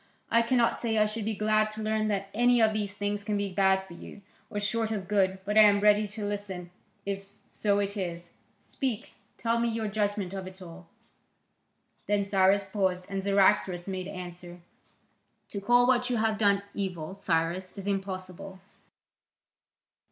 I cannot say I should be glad to learn that any of these things can be bad for you, or short of good, but I am ready to listen, if so it is. Speak, tell me your judgment of it all." Then Cyrus paused, and Cyaxares made answer: "To call what you have done evil, Cyrus, is impossible.